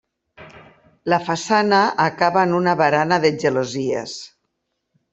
La façana acaba amb una barana de gelosies.